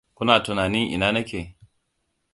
Kuna tunanin ina nake?